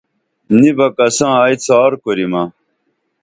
نی بہ کساں ائی څار کُریمہ